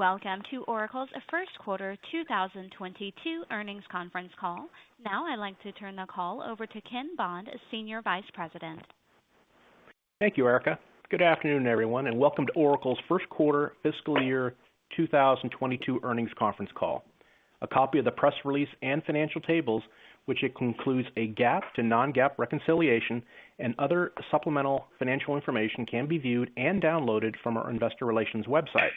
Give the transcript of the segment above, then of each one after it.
Welcome to Oracle's first quarter 2022 earnings conference call. Now I'd like to turn the call over to Ken Bond, Senior Vice President. Thank you, Erica. Good afternoon, everyone, welcome to Oracle's first quarter fiscal year 2022 earnings conference call. A copy of the press release and financial tables, which includes a GAAP to non-GAAP reconciliation and other supplemental financial information, can be viewed and downloaded from our investor relations website.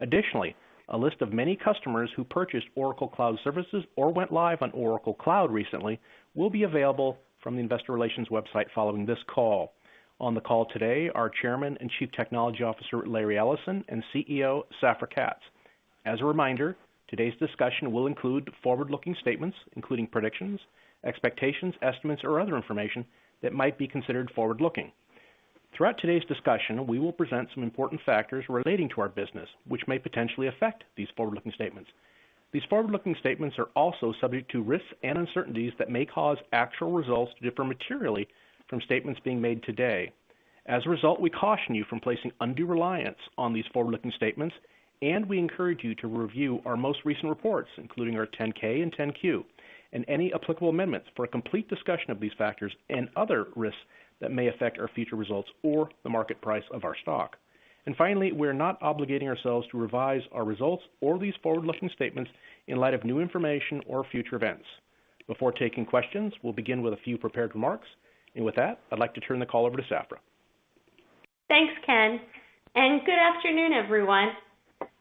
Additionally, a list of many customers who purchased Oracle Cloud services or went live on Oracle Cloud recently will be available from the investor relations website following this call. On the call today are Chairman and Chief Technology Officer, Larry Ellison, and CEO, Safra Catz. As a reminder, today's discussion will include forward-looking statements, including predictions, expectations, estimates, or other information that might be considered forward-looking. Throughout today's discussion, we will present some important factors relating to our business, which may potentially affect these forward-looking statements. These forward-looking statements are also subject to risks and uncertainties that may cause actual results to differ materially from statements being made today. As a result, we caution you from placing undue reliance on these forward-looking statements, and we encourage you to review our most recent reports, including our 10-K and 10-Q and any applicable amendments for a complete discussion of these factors and other risks that may affect our future results or the market price of our stock. Finally, we're not obligating ourselves to revise our results or these forward-looking statements in light of new information or future events. Before taking questions, we'll begin with a few prepared remarks. With that, I'd like to turn the call over to Safra. Thanks, Ken. Good afternoon, everyone.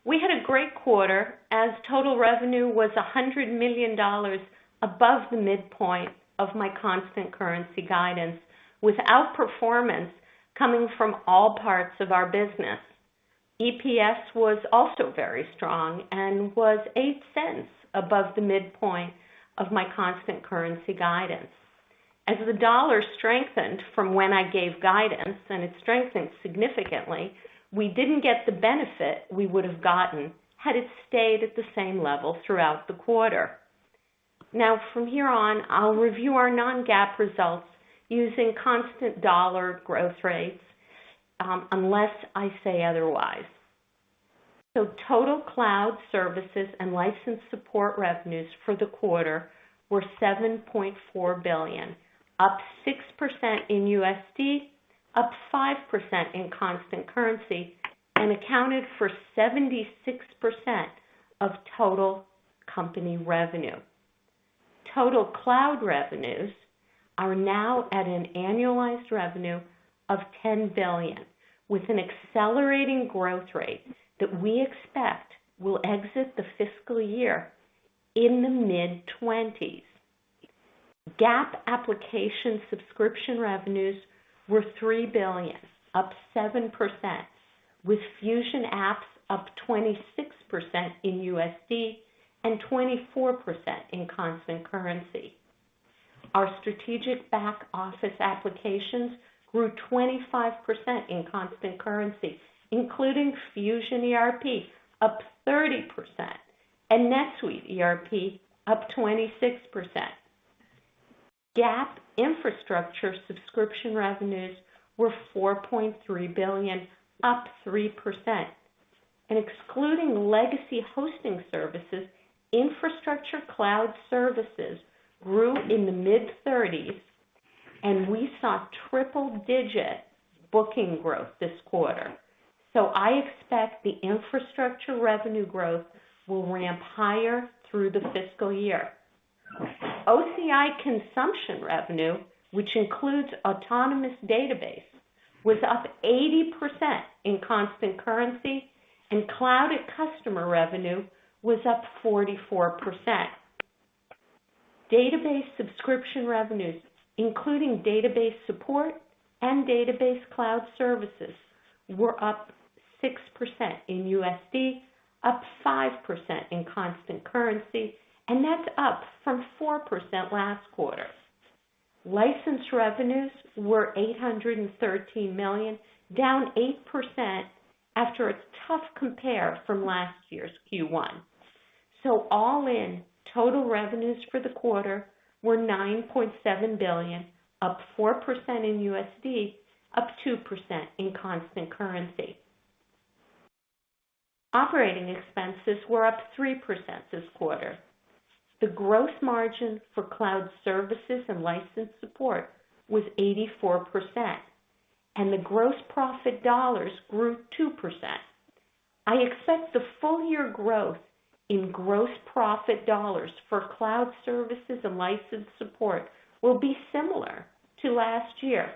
We had a great quarter, as total revenue was $100 million above the midpoint of my constant currency guidance, with outperformance coming from all parts of our business. EPS was also very strong and was $0.08 above the midpoint of my constant currency guidance. As the dollar strengthened from when I gave guidance, and it strengthened significantly, we didn't get the benefit we would've gotten had it stayed at the same level throughout the quarter. Now, from here on, I'll review our non-GAAP results using constant dollar growth rates, unless I say otherwise. Total Cloud services and license support revenues for the quarter were $7.4 billion, up 6% in USD, up 5% in constant currency, and accounted for 76% of total company revenue. Total Cloud revenues are now at an annualized revenue of $10 billion, with an accelerating growth rate that we expect will exit the fiscal year in the mid-20s. GAAP application subscription revenues were $3 billion, up 7%, with Fusion apps up 26% in USD and 24% in constant currency. Our strategic back-office applications grew 25% in constant currency, including Fusion ERP up 30% and NetSuite ERP up 26%. GAAP infrastructure subscription revenues were $4.3 billion, up 3%. Excluding legacy hosting services, infrastructure Cloud services grew in the mid-30s, and we saw triple-digit booking growth this quarter. I expect the infrastructure revenue growth will ramp higher through the fiscal year. OCI consumption revenue, which includes Autonomous Database, was up 80% in constant currency, and Cloud@Customer revenue was up 44%. Database subscription revenues, including database support and Database Cloud services, were up 6% in USD, up 5% in constant currency. That's up from 4% last quarter. License revenues were $813 million, down 8% after a tough compare from last year's Q1. All in, total revenues for the quarter were $9.7 billion, up 4% in USD, up 2% in constant currency. Operating expenses were up 3% this quarter. The gross margin for Cloud services and license support was 84%. The gross profit dollars grew 2%. I expect the full-year growth in gross profit dollars for Cloud services and license support will be similar to last year.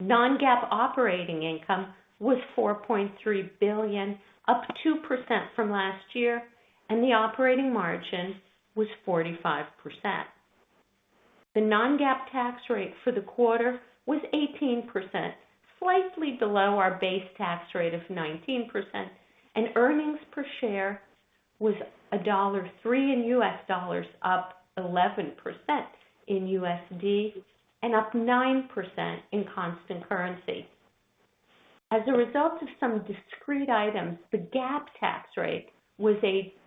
non-GAAP operating income was $4.3 billion, up 2% from last year. The operating margin was 45%. The non-GAAP tax rate for the quarter was 18%, slightly below our base tax rate of 19%, and earnings per share was $1.03, up 11% and up 9% in constant currency. As a result of some discrete items, the GAAP tax rate was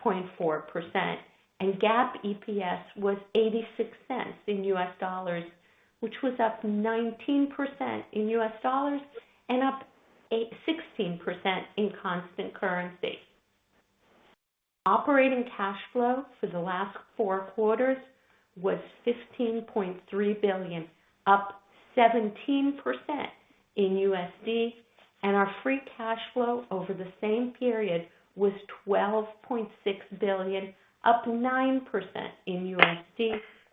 8.4%, and GAAP EPS was $0.86, which was up 19% and up 16% in constant currency. Operating cash flow for the last four quarters was $15.3 billion, up 17%, and our free cash flow over the same period was $12.6 billion, up 9%,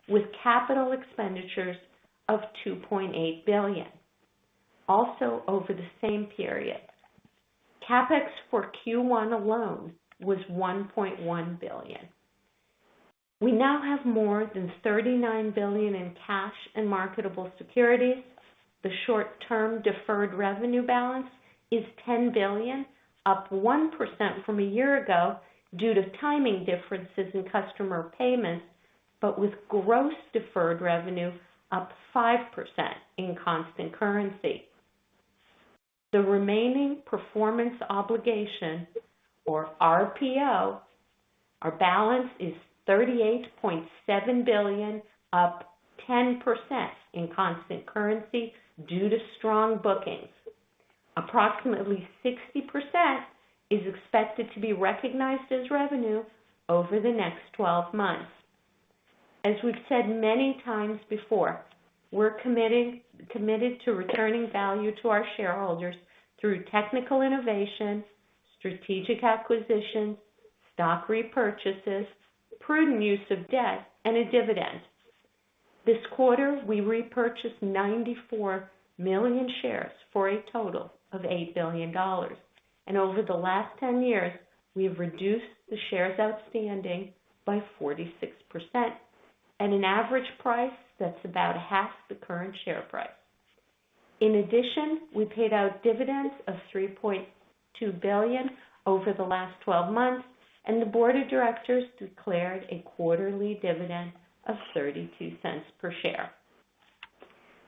with capital expenditures of $2.8 billion, also over the same period. CapEx for Q1 alone was $1.1 billion. We now have more than $39 billion in cash and marketable securities. The short-term deferred revenue balance is $10 billion, up 1% from a year ago due to timing differences in customer payments, but with gross deferred revenue up 5% in constant currency. The remaining performance obligation or RPO, our balance is $38.7 billion, up 10% in constant currency due to strong bookings. Approximately 60% is expected to be recognized as revenue over the next 12 months. As we've said many times before, we're committed to returning value to our shareholders through technical innovation, strategic acquisitions, stock repurchases, prudent use of debt, and a dividend. This quarter, we repurchased 94 million shares for a total of $8 billion. Over the last 10 years, we have reduced the shares outstanding by 46%, at an average price that's about half the current share price. We paid out dividends of $3.2 billion over the last 12 months. The board of directors declared a quarterly dividend of $0.32 per share.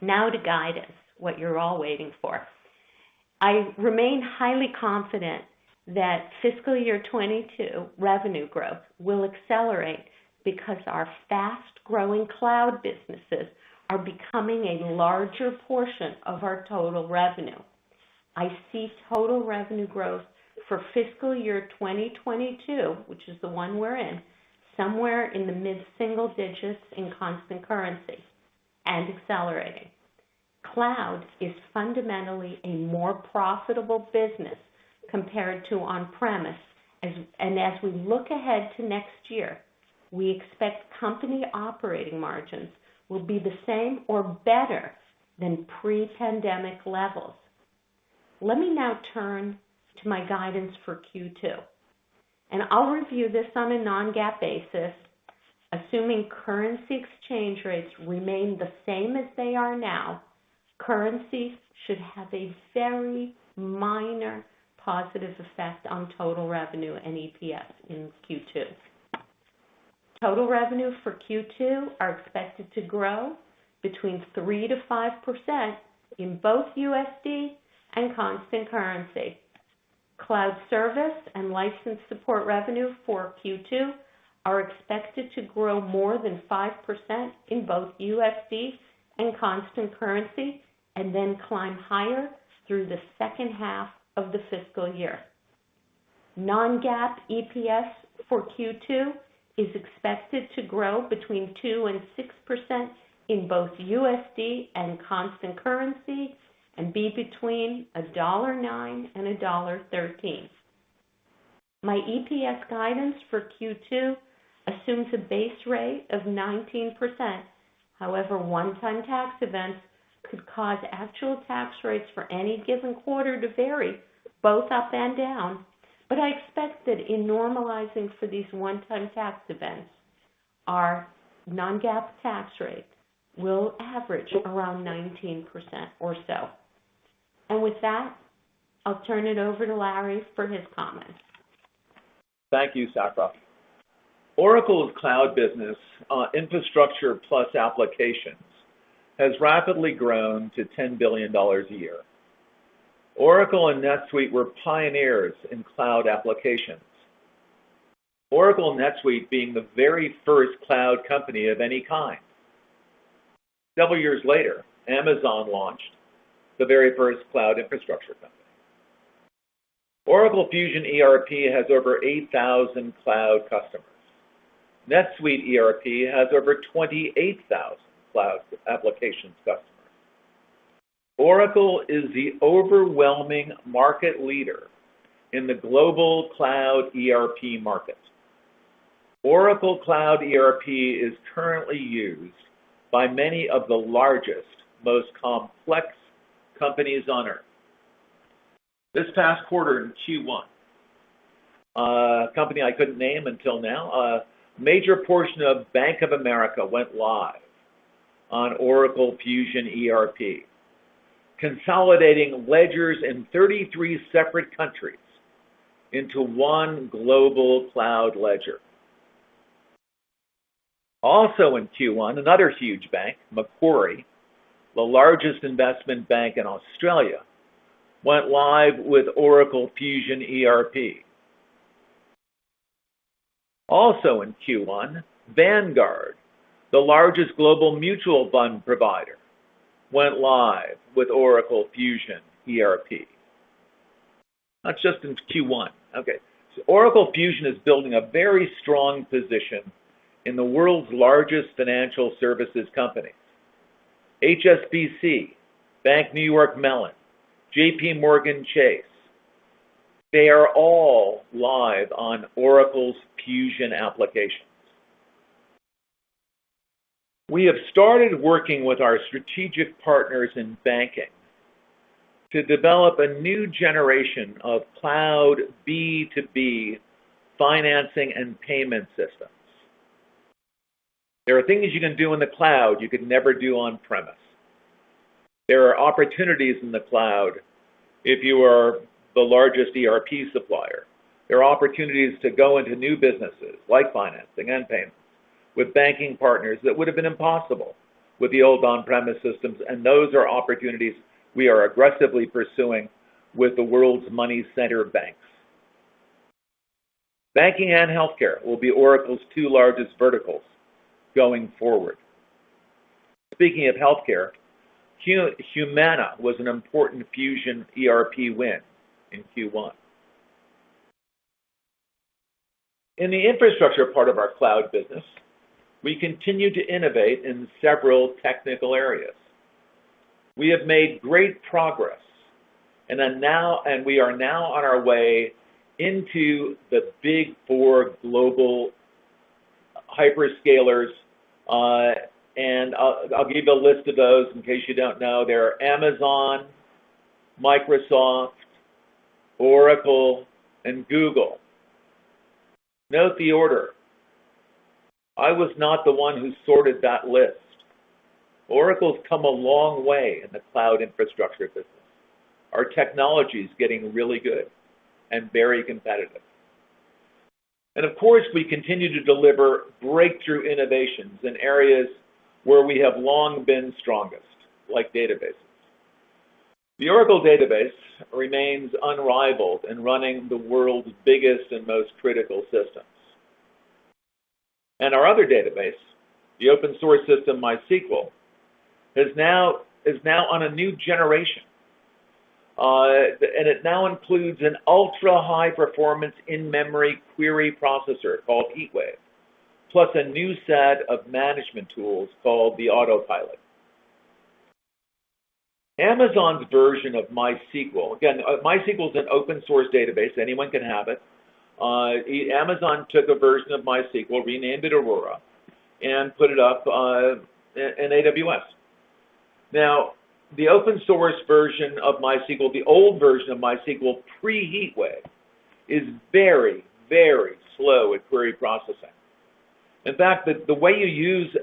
Now to guidance, what you're all waiting for. I remain highly confident that fiscal year 2022 revenue growth will accelerate because our fast-growing cloud businesses are becoming a larger portion of our total revenue. I see total revenue growth for fiscal year 2022, which is the one we're in, somewhere in the mid-single digits in constant currency and accelerating. Cloud is fundamentally a more profitable business compared to on-premise. As we look ahead to next year, we expect company operating margins will be the same or better than pre-pandemic levels. Let me now turn to my guidance for Q2. I'll review this on a non-GAAP basis. Assuming currency exchange rates remain the same as they are now, currency should have a very minor positive effect on total revenue and EPS in Q2. Total revenue for Q2 are expected to grow between 3%-5% in both USD and constant currency. Cloud service and license support revenue for Q2 are expected to grow more than 5% in both USD and constant currency and then climb higher through the second half of the fiscal year. Non-GAAP EPS for Q2 is expected to grow between 2% and 6% in both USD and constant currency and be between $1.09 and $1.13. My EPS guidance for Q2 assumes a base rate of 19%. However, one-time tax events could cause actual tax rates for any given quarter to vary both up and down. I expect that in normalizing for these one-time tax events, our non-GAAP tax rate will average around 19% or so. With that, I'll turn it over to Larry for his comments. Thank you, Safra. Oracle's cloud business on infrastructure plus applications has rapidly grown to $10 billion a year. Oracle and NetSuite were pioneers in cloud applications. Oracle and NetSuite being the very first cloud company of any kind. Several years later, Amazon launched the very first cloud infrastructure company. Oracle Fusion ERP has over 8,000 cloud customers. NetSuite ERP has over 28,000 cloud applications customers. Oracle is the overwhelming market leader in the global cloud ERP market. Oracle Cloud ERP is currently used by many of the largest, most complex companies on Earth. This past quarter in Q1, a company I couldn't name until now, a major portion of Bank of America went live on Oracle Fusion ERP, consolidating ledgers in 33 separate countries into one global cloud ledger. In Q1, another huge bank, Macquarie, the largest investment bank in Australia, went live with Oracle Fusion ERP. Also in Q1, Vanguard, the largest global mutual fund provider went live with Oracle Fusion ERP. That's just in Q1. Okay. Oracle Fusion is building a very strong position in the world's largest financial services companies. HSBC, Bank of New York Mellon, JPMorgan Chase, they are all live on Oracle's Fusion applications. We have started working with our strategic partners in banking to develop a new generation of cloud B2B financing and payment systems. There are things you can do in the cloud you could never do on-premise. There are opportunities in the cloud if you are the largest ERP supplier. There are opportunities to go into new businesses, like financing and payments, with banking partners that would have been impossible with the old on-premise systems. Those are opportunities we are aggressively pursuing with the world's money center banks. Banking and healthcare will be Oracle's two largest verticals going forward. Speaking of healthcare, Humana was an important Fusion ERP win in Q1. In the infrastructure part of our cloud business, we continue to innovate in several technical areas. We have made great progress, and we are now on our way into the Big Four global hyperscalers. I'll give you a list of those in case you don't know. They are Amazon, Microsoft, Oracle, and Google. Note the order. I was not the one who sorted that list. Oracle's come a long way in the cloud infrastructure business. Our technology's getting really good and very competitive. Of course, we continue to deliver breakthrough innovations in areas where we have long been strongest, like databases. The Oracle Database remains unrivaled in running the world's biggest and most critical systems. Our other database, the open source system, MySQL, is now on a new generation. It now includes an ultra-high performance in-memory query processor called HeatWave, plus a new set of management tools called the Autopilot. Amazon's version of MySQL, again, MySQL's an open source database, anyone can have it. Amazon took a version of MySQL, renamed it Aurora, and put it up in AWS. Now, the open source version of MySQL, the old version of MySQL pre-HeatWave, is very, very slow at query processing. In fact, the way you use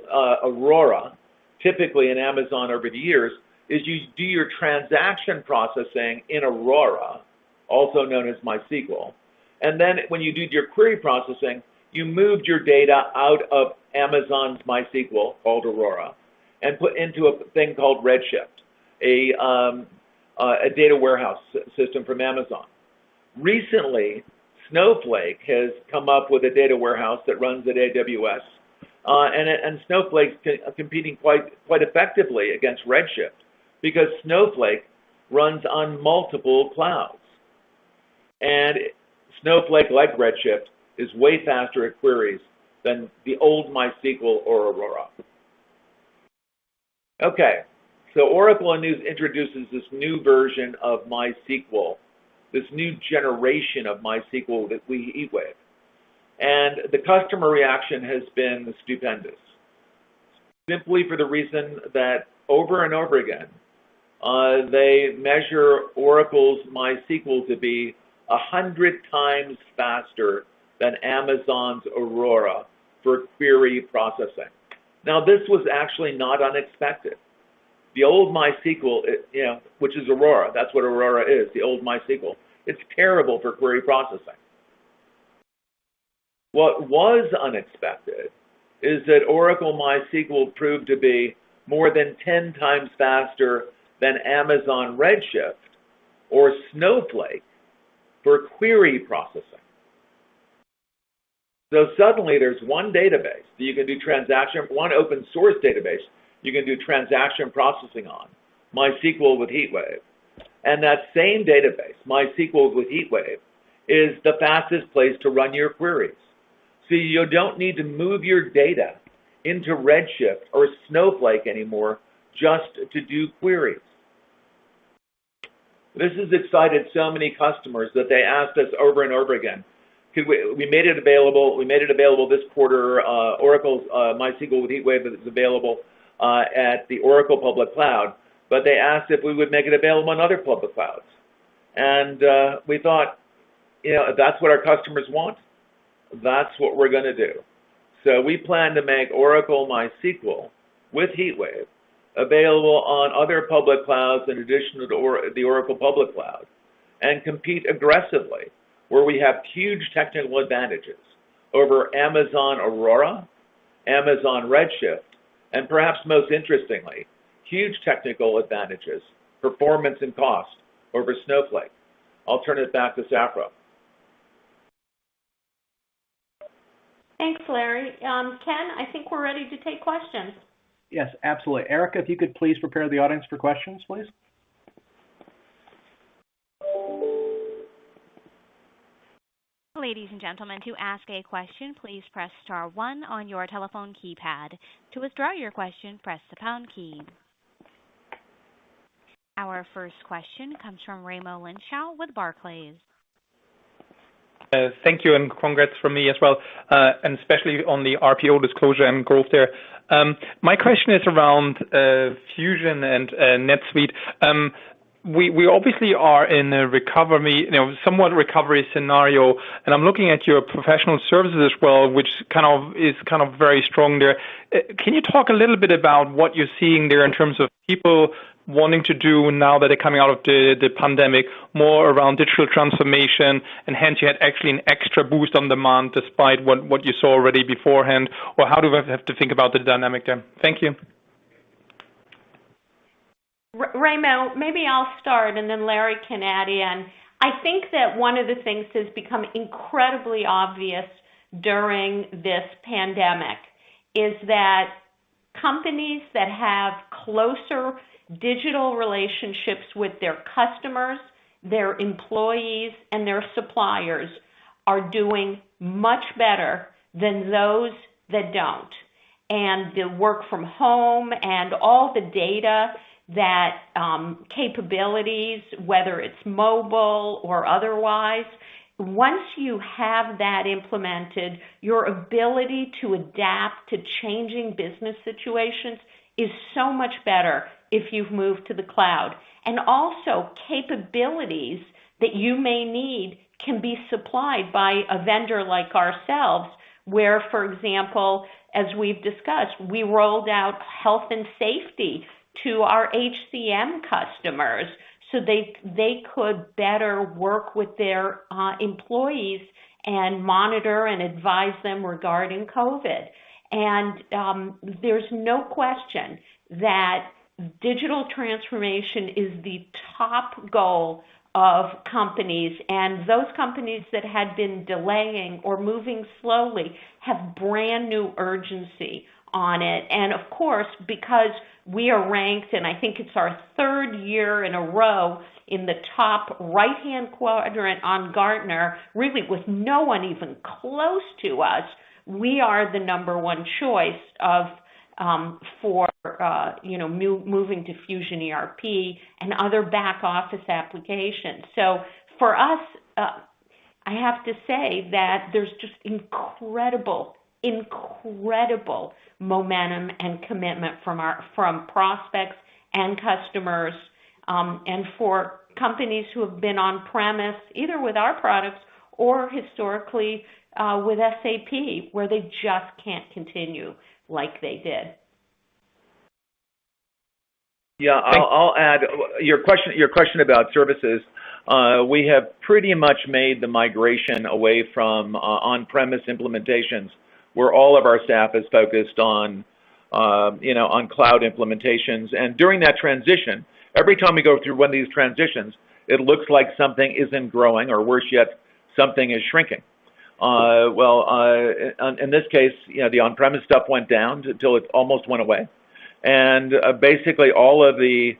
Aurora, typically in Amazon over the years, is you do your transaction processing in Aurora, also known as MySQL, and then when you did your query processing, you moved your data out of Amazon's MySQL, called Aurora, and put into a thing called Redshift, a data warehouse system from Amazon. Recently, Snowflake has come up with a data warehouse that runs at AWS. Snowflake's competing quite effectively against Redshift because Snowflake runs on multiple clouds. Snowflake, like Redshift, is way faster at queries than the old MySQL or Aurora. Okay, Oracle introduces this new version of MySQL, this new generation of MySQL with HeatWave. The customer reaction has been stupendous, simply for the reason that over and over again, they measure Oracle's MySQL to be 100 times faster than Amazon's Aurora for query processing. Now, this was actually not unexpected. The old MySQL, which is Aurora, that's what Aurora is, the old MySQL, it's terrible for query processing. What was unexpected is that Oracle MySQL proved to be more than 10 times faster than Amazon Redshift or Snowflake for query processing. Suddenly, there's one open source database that you can do transaction processing on, MySQL with HeatWave. That same database, MySQL with HeatWave, is the fastest place to run your queries. You don't need to move your data into Redshift or Snowflake anymore just to do queries. This has excited so many customers that they asked us over and over again. We made it available this quarter, Oracle's MySQL with HeatWave is available at the Oracle Cloud, but they asked if we would make it available on other public clouds. We thought, if that's what our customers want, that's what we're going to do. We plan to make Oracle MySQL with HeatWave available on other public clouds in addition to the Oracle public cloud and compete aggressively where we have huge technical advantages over Amazon Aurora, Amazon Redshift, and perhaps most interestingly, huge technical advantages, performance, and cost over Snowflake. I'll turn it back to Safra. Thanks, Larry. Ken, I think we're ready to take questions. Yes, absolutely. Erica, if you could please prepare the audience for questions, please. Ladies and gentlemen, to ask a question, please press star one on your telephone keypad. To withdraw your question, press the pound key. Our first question comes from Raimo Lenschow with Barclays. Thank you, and congrats from me as well, and especially on the RPO disclosure and growth there. My question is around Oracle Fusion and NetSuite. We obviously are in a somewhat recovery scenario, and I'm looking at your professional services as well, which is very strong there. Can you talk a little bit about what you're seeing there in terms of people wanting to do, now that they're coming out of the pandemic, more around digital transformation, and hence you had actually an extra boost on demand despite what you saw already beforehand? How do I have to think about the dynamic there? Thank you. Raimo, maybe I'll start, and then Larry can add in. I think that one of the things that's become incredibly obvious during this pandemic is that companies that have closer digital relationships with their customers, their employees, and their suppliers are doing much better than those that don't. The work from home and all the data capabilities, whether it's mobile or otherwise, once you have that implemented, your ability to adapt to changing business situations is so much better if you've moved to the cloud. Also capabilities that you may need can be supplied by a vendor like ourselves, where, for example, as we've discussed, we rolled out health and safety to our HCM customers so they could better work with their employees and monitor and advise them regarding COVID. There's no question that digital transformation is the top goal of companies, and those companies that had been delaying or moving slowly have brand-new urgency on it. Of course, because we are ranked, and I think it's our third year in a row in the top right-hand quadrant on Gartner, really with no one even close to us, we are the number one choice for moving to Fusion ERP and other back-office applications. For us, I have to say that there's just incredible momentum and commitment from prospects and customers, and for companies who have been on-premise, either with our products or historically with SAP, where they just can't continue like they did. Yeah. I'll add, your question about services, we have pretty much made the migration away from on-premise implementations, where all of our staff is focused on cloud implementations. During that transition, every time we go through one of these transitions, it looks like something isn't growing, or worse yet, something is shrinking. Well, in this case, the on-premise stuff went down until it almost went away, and basically all of the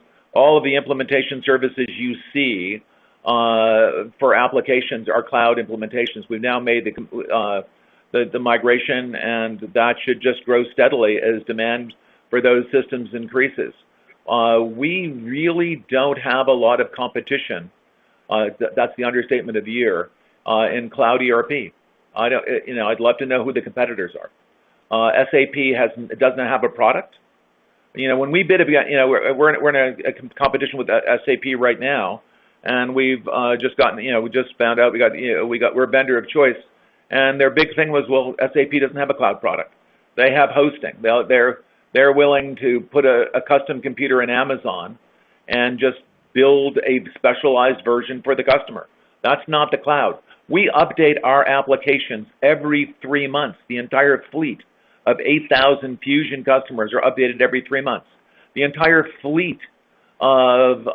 implementation services you see for applications are cloud implementations. We've now made the migration, and that should just grow steadily as demand for those systems increases. We really don't have a lot of competition, that's the understatement of the year, in cloud ERP. I'd love to know who the competitors are. SAP doesn't have a product. We're in a competition with SAP right now. We just found out we're a vendor of choice. Their big thing was, "Well, SAP doesn't have a cloud product." They have hosting. They're willing to put a custom computer in Amazon and just build a specialized version for the customer. That's not the cloud. We update our applications every three months. The entire fleet of 8,000 Fusion customers are updated every three months. The entire fleet of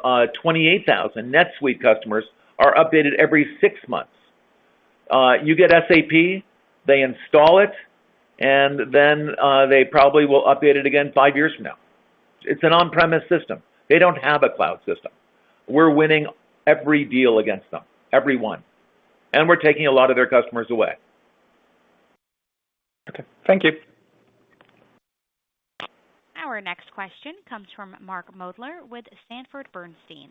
28,000 NetSuite customers are updated every six months. You get SAP, they install it, and then they probably will update it again five years from now. It's an on-premise system. They don't have a cloud system. We're winning every deal against them. Every one. We're taking a lot of their customers away. Okay. Thank you. Our next question comes from Mark Moerdler with Sanford Bernstein.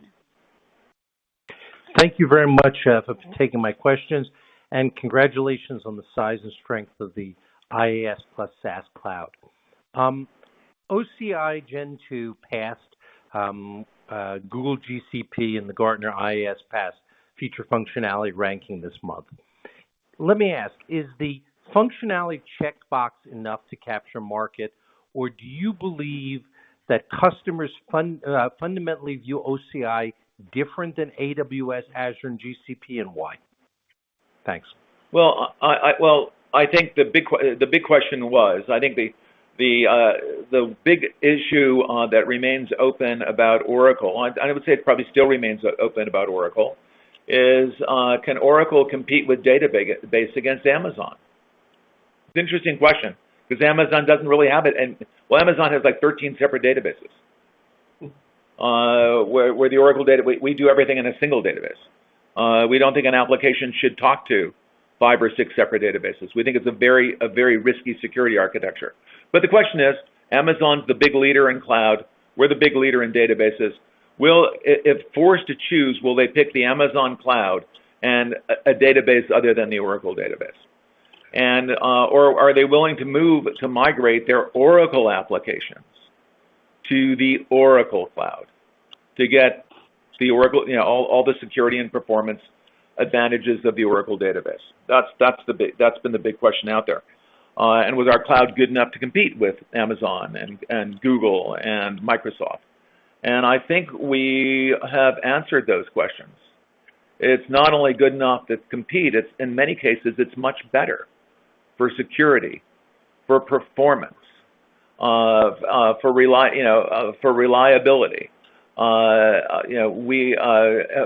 Thank you very much for taking my questions. Congratulations on the size and strength of the IaaS plus SaaS cloud. OCI Gen 2 PaaS Google GCP and the Gartner IaaS PaaS feature functionality ranking this month. Let me ask, is the functionality checkbox enough to capture market, or do you believe that customers fundamentally view OCI different than AWS, Azure, and GCP, and why? Thanks. Well, I think the big issue that remains open about Oracle, I would say it probably still remains open about Oracle, is, can Oracle compete with Oracle Database against Amazon? It's an interesting question, because Amazon doesn't really have it. Well, Amazon has 13 separate databases. Where the Oracle Database, we do everything in a single database. We don't think an application should talk to five or six separate databases. We think it's a very risky security architecture. The question is, Amazon's the big leader in cloud, we're the big leader in databases. If forced to choose, will they pick the Amazon cloud and a database other than the Oracle Database? Are they willing to move to migrate their Oracle applications to the Oracle Cloud to get all the security and performance advantages of the Oracle Database? That's been the big question out there. Was our cloud good enough to compete with Amazon, and Google, and Microsoft? I think we have answered those questions. It's not only good enough to compete, in many cases, it's much better for security, for performance, for reliability,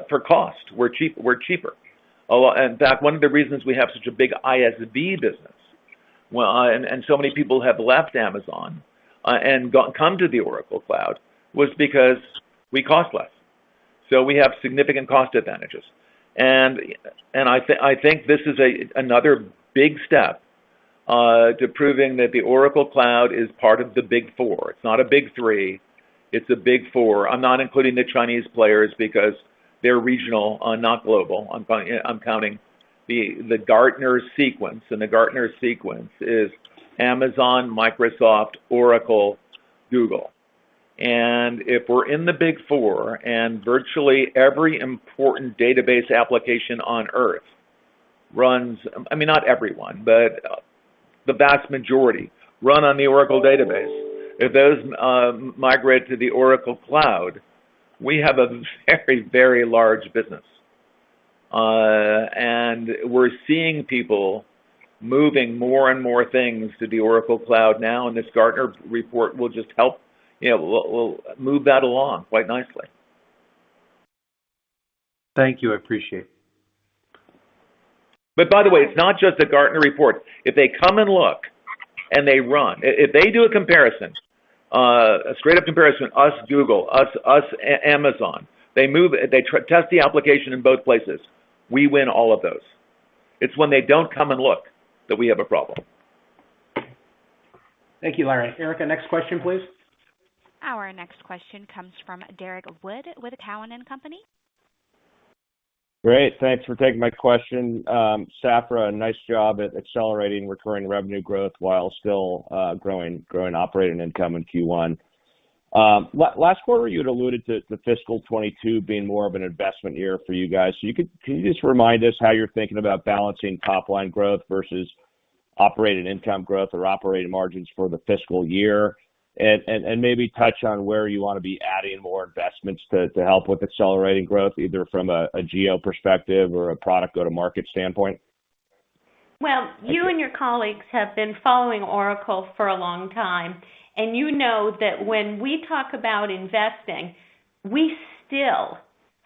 for cost. We're cheaper. In fact, one of the reasons we have such a big ISV business, and so many people have left Amazon, and come to the Oracle Cloud, was because we cost less. We have significant cost advantages. I think this is another big step to proving that the Oracle Cloud is part of the Big Four. It's not a Big Three, it's a Big Four. I'm not including the Chinese players because they're regional, not global. I'm counting the Gartner sequence, and the Gartner sequence is Amazon, Microsoft, Oracle, Google. If we're in the Big Four, and virtually every important database application on Earth, not every one, but the vast majority, run on the Oracle Database. If those migrate to the Oracle Cloud, we have a very large business. We're seeing people moving more and more things to the Oracle Cloud now, and this Gartner report will just help move that along quite nicely. Thank you, appreciate it. By the way, it's not just a Gartner report. If they come and look, and they run, if they do a comparison, a straight-up comparison, us, Google, us, Amazon, they test the application in both places, we win all of those. It's when they don't come and look that we have a problem. Thank you, Larry. Erica, next question, please. Our next question comes from Derrick Wood with Cowen and Company. Great. Thanks for taking my question. Safra, nice job at accelerating recurring revenue growth while still growing operating income in Q1. Last quarter, you had alluded to the fiscal 2022 being more of an investment year for you guys. Can you just remind us how you're thinking about balancing top-line growth versus operating income growth or operating margins for the fiscal year? Maybe touch on where you want to be adding more investments to help with accelerating growth, either from a geo perspective or a product go-to-market standpoint. Well, you and your colleagues have been following Oracle for a long time, and you know that when we talk about investing, we still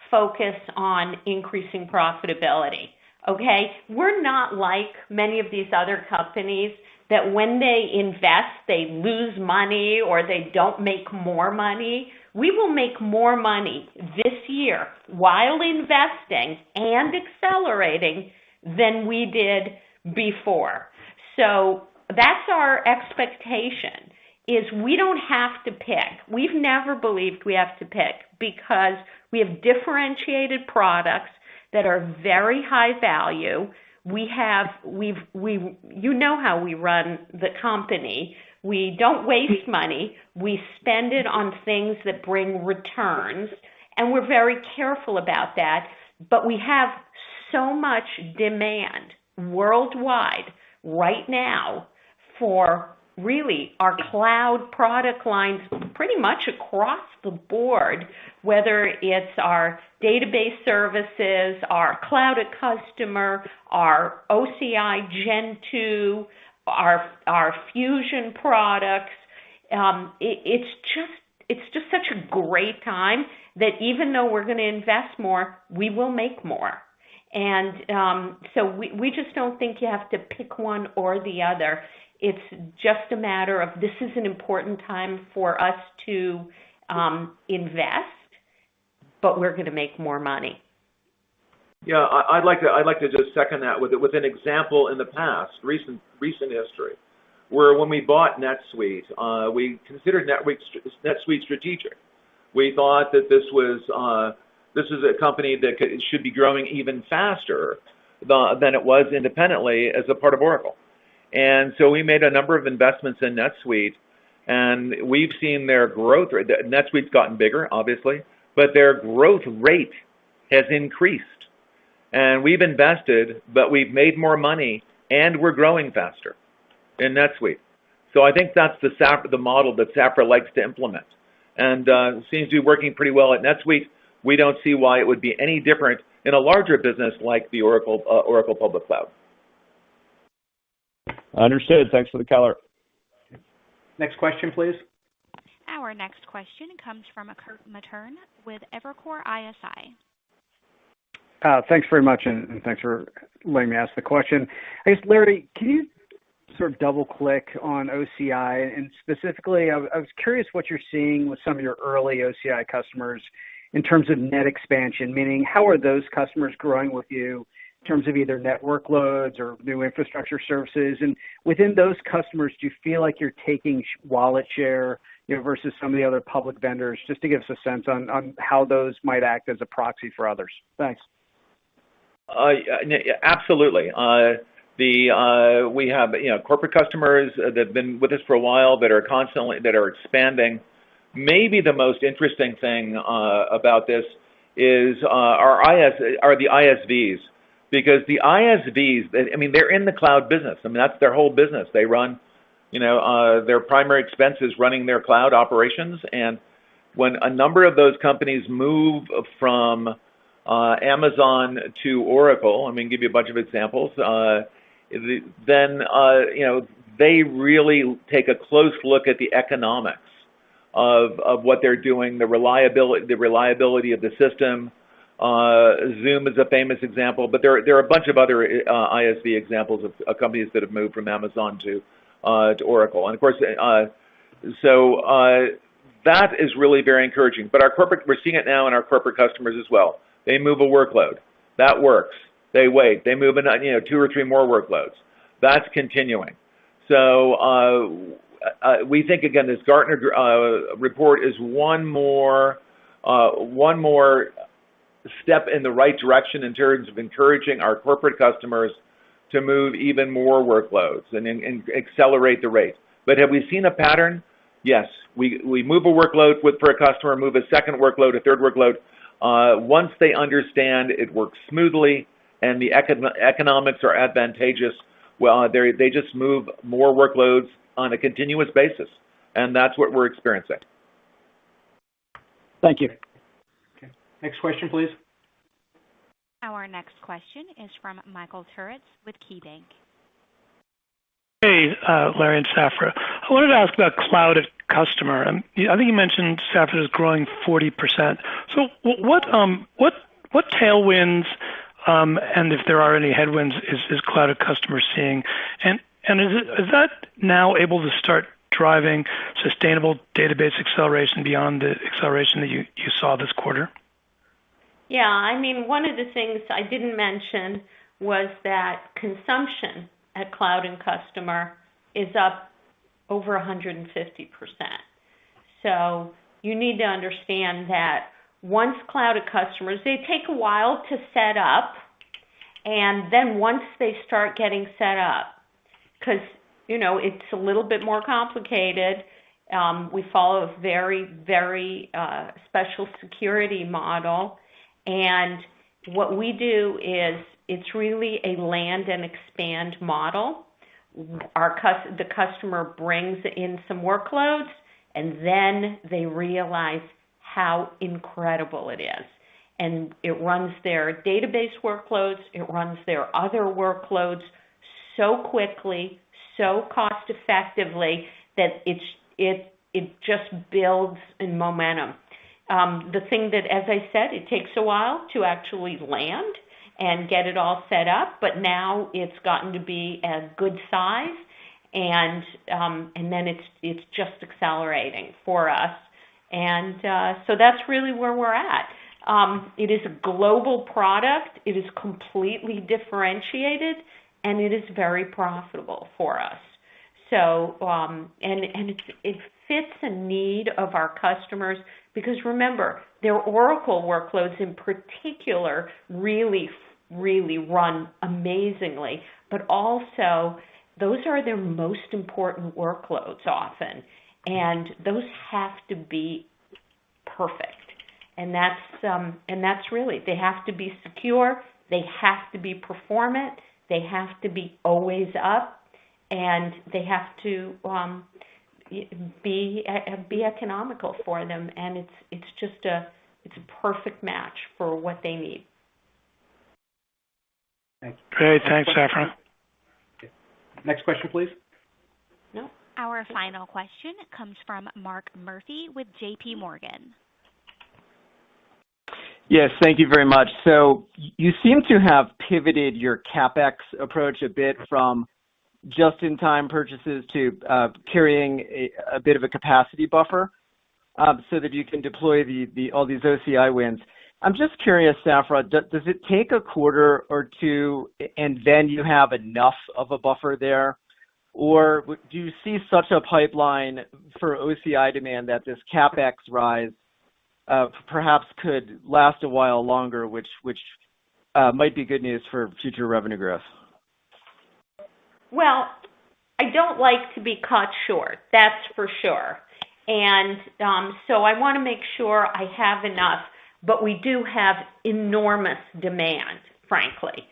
focus on increasing profitability. Okay? We're not like many of these other companies that when they invest, they lose money or they don't make more money. We will make more money this year while investing and accelerating than we did before. That's our expectation, is we don't have to pick. We've never believed we have to pick because we have differentiated products that are very high value. You know how we run the company. We don't waste money. We spend it on things that bring returns, and we're very careful about that. We have so much demand worldwide right now for really our cloud product lines pretty much across the board, whether it's our database services, our Cloud@Customer, our OCI Gen 2, our Fusion products. It's just such a great time that even though we're going to invest more, we will make more. We just don't think you have to pick one or the other. It's just a matter of this is an important time for us to invest, but we're going to make more money. Yeah, I'd like to just second that with an example in the past, recent history, where when we bought NetSuite, we considered NetSuite strategic. We thought that this was a company that should be growing even faster than it was independently as a part of Oracle. We made a number of investments in NetSuite, and we've seen their growth. NetSuite's gotten bigger, obviously, but their growth rate has increased. We've invested, but we've made more money, and we're growing faster in NetSuite. I think that's the model that Safra likes to implement, and seems to be working pretty well at NetSuite. We don't see why it would be any different in a larger business like the Oracle Public Cloud. Understood. Thanks for the color. Next question, please. Our next question comes from Kirk Materne with Evercore ISI. Thanks very much, thanks for letting me ask the question. I guess, Larry, can you sort of double-click on OCI? Specifically, I was curious what you're seeing with some of your early OCI customers in terms of net expansion. Meaning, how are those customers growing with you in terms of either net workloads or new infrastructure services? Within those customers, do you feel like you're taking wallet share versus some of the other public vendors? Just to give us a sense on how those might act as a proxy for others. Thanks. Absolutely. We have corporate customers that have been with us for a while that are expanding. Maybe the most interesting thing about this is are the ISVs. The ISVs, they're in the cloud business. I mean, that's their whole business. Their primary expense is running their cloud operations, and when a number of those companies move from Amazon to Oracle, I mean, give you a bunch of examples, then they really take a close look at the economics of what they're doing, the reliability of the system. Zoom is a famous example, but there are a bunch of other ISV examples of companies that have moved from Amazon to Oracle. That is really very encouraging. We're seeing it now in our corporate customers as well. They move a workload. That works. They wait. They move two or three more workloads. That's continuing. We think, again, this Gartner report is one more step in the right direction in terms of encouraging our corporate customers to move even more workloads, and accelerate the rate. Have we seen a pattern? Yes. We move a workload for a customer, move a second workload, a third workload. Once they understand it works smoothly and the economics are advantageous, well, they just move more workloads on a continuous basis, and that's what we're experiencing. Thank you. Okay. Next question, please. Our next question is from Michael Turits with KeyBanc Capital Markets. Hey, Larry and Safra. I wanted to ask about Cloud@Customer. I think you mentioned, Safra, it is growing 40%. What tailwinds, and if there are any headwinds, is Cloud@Customer seeing? Is that now able to start driving sustainable database acceleration beyond the acceleration that you saw this quarter? Yeah. One of the things I didn't mention was that consumption at Cloud@Customer is up over 150%. You need to understand that once Cloud@Customers, they take a while to set up, and then once they start getting set up, because it's a little bit more complicated. We follow a very special security model, and what we do is it's really a land-and-expand model. The customer brings in some workloads, and then they realize how incredible it is. It runs their database workloads, it runs their other workloads so quickly, so cost-effectively, that it just builds in momentum. The thing that, as I said, it takes a while to actually land and get it all set up, but now it's gotten to be a good size, and then it's just accelerating for us. That's really where we're at. It is a global product, it is completely differentiated, and it is very profitable for us. It fits a need of our customers, because remember, their Oracle workloads in particular really run amazingly, but also, those are their most important workloads often, and those have to be perfect. That's really, they have to be secure, they have to be performant, they have to be always up, and they have to be economical for them, and it's a perfect match for what they need. Thanks. Great. Thanks, Safra. Next question, please. No? Our final question comes from Mark Murphy with JP Morgan. Yes. Thank you very much. You seem to have pivoted your CapEx approach a bit from just-in-time purchases to carrying a bit of a capacity buffer so that you can deploy all these OCI wins. I'm just curious, Safra, does it take a quarter or two, and then you have enough of a buffer there? Or do you see such a pipeline for OCI demand that this CapEx rise perhaps could last a while longer, which might be good news for future revenue growth? Well, I don't like to be caught short, that's for sure. I want to make sure I have enough, but we do have enormous demand, frankly.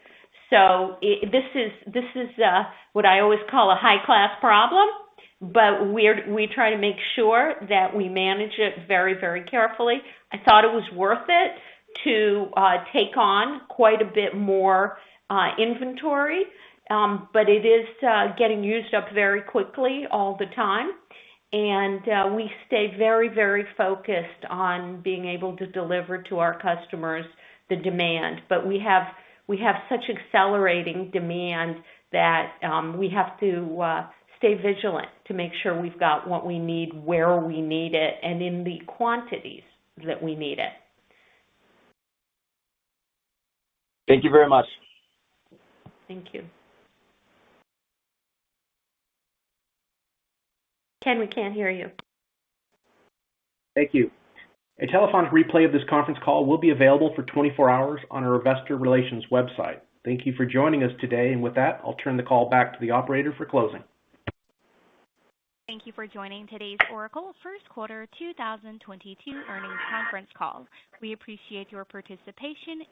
This is what I always call a high-class problem, but we try to make sure that we manage it very carefully. I thought it was worth it to take on quite a bit more inventory, but it is getting used up very quickly all the time. We stay very focused on being able to deliver to our customers the demand. We have such accelerating demand that we have to stay vigilant to make sure we've got what we need, where we need it, and in the quantities that we need it. Thank you very much. Thank you. Ken, we can't hear you. Thank you. A telephone replay of this conference call will be available for 24 hours on our investor relations website. Thank you for joining us today. With that, I'll turn the call back to the operator for closing. Thank you for joining today's Oracle first quarter 2022 earnings conference call. We appreciate your participation.